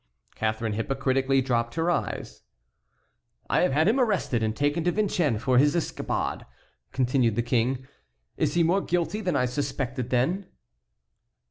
Catharine hypocritically dropped her eyes. "I have had him arrested and taken to Vincennes for his escapade," continued the King; "is he more guilty than I suspected, then?"